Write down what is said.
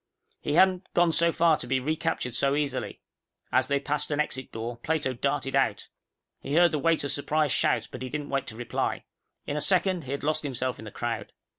He hadn't gone so far to be recaptured so easily. As they passed an exit door, Plato darted out. He heard the waiter's surprised shout, but he didn't wait to reply. In a second, he had lost himself in the crowd.